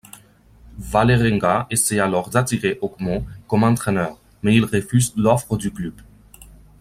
Vålerenga essaye alors d'attirer Høgmo comme entraîneur, mais il refuse l'offre du club.